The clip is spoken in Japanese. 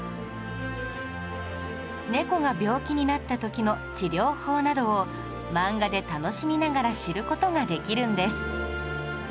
猫が病気になった時の治療法などを漫画で楽しみながら知る事ができるんです